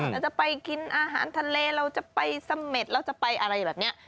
เราจะไปกินอาหารทะเลเราจะไปเสม็ดเราจะไปอะไรแบบนี้